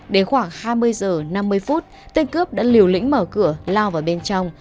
đến khoảng hai mươi h năm mươi phút tên cướp đã liều lĩnh mở cửa lao vào bên trong